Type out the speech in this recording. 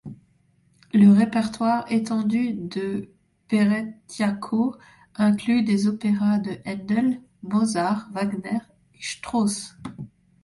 Le répertoire étendu de Peretyatko inclut des opéras de Händel, Mozart, Wagner et Strauss.